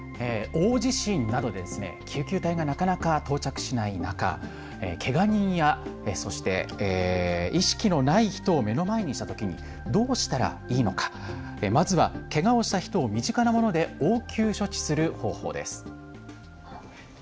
大地震など救急隊がなかなか到着しない中、けが人やそして意識のない人を目の前にしたときにどうしたらいいのか、まずはけがをした人を身近なもので応急処置する方法です。